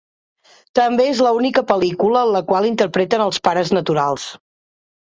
També és l'única pel·lícula en la qual interpreten els pares naturals.